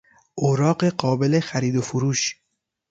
اوراق قابل خرید و فروش